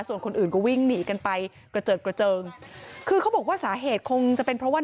ส่วนคนอื่นก็วิ่งหนีกันไปกระเจิดกระเจิงคือเขาบอกว่าสาเหตุคงจะเป็นเพราะว่า